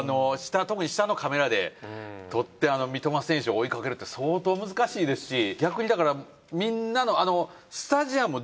特に下のカメラで撮って三笘選手を追いかけるって相当難しいですし逆にだからみんな。